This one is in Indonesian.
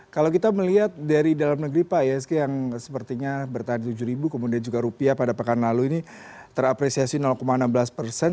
kalau kita melihat dari dalam negeri pak isg yang sepertinya bertahan tujuh kemudian juga rupiah pada pekan lalu ini terapresiasi enam belas persen